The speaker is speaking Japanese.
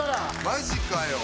マジかよ。